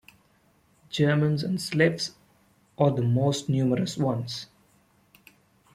Germans and Slavs are the most numerous ones.